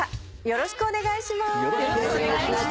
よろしくお願いします。